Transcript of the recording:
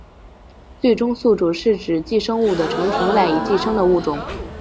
最终宿主是指寄生物的成虫赖以寄生的物种。